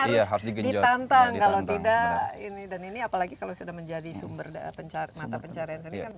harus ditantang kalau tidak ini dan ini apalagi kalau sudah menjadi sumber mata pencarian sendiri kan